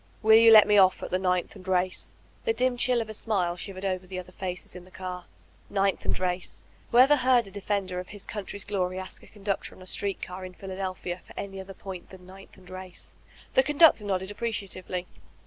'Will you let me off at Ninth and Race?*' The dim chill of a smile shivered over the other faces in the car. Ninth and Race ! Who ever heard a defender of his country's glory ask a conductor on a street car in Philadelphia for any other point than Ninth and Race! The conductor nodded appreciatively.